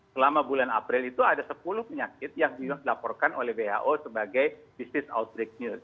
selama bulan april itu ada sepuluh penyakit yang dilaporkan oleh who sebagai business outbreak news